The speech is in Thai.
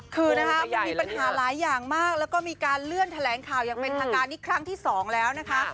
คือนะคะมันมีปัญหาหลายอย่างมากแล้วก็มีการเลื่อนแถลงข่าวอย่างเป็นทางการนี้ครั้งที่๒แล้วนะคะ